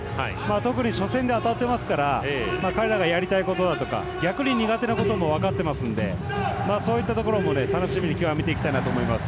特にしょせんで当たってますから彼らがやりたいこととか逆に、苦手なことも分かってますのでそういったところも今日は見ていきたいなと思います。